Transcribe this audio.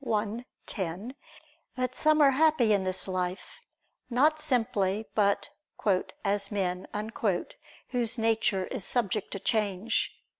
i, 10) that some are happy in this life, not simply, but "as men," whose nature is subject to change.